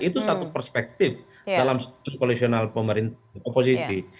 itu satu perspektif dalam situasi koalisional oposisi